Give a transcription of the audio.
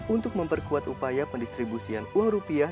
untuk memperkuat upaya pendistribusian uang rupiah